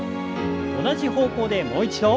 同じ方向でもう一度。